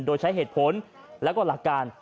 โดยใช้เหตุผลและก็หลักการ